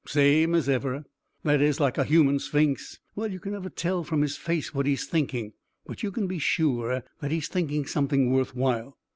"Same as ever." "That is, like a human sphinx. Well, you can never tell from his face what he's thinking, but you can be sure that he's thinking something worth while."